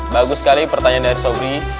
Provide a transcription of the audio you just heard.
bagus sekali pertanyaan dari sofri